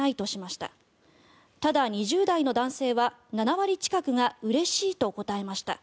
ただ、２０代の男性は７割近くがうれしいと答えました。